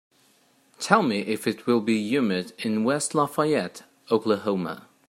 Tell me if it will be humid in West Lafayette, Oklahoma